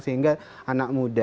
sehingga anak muda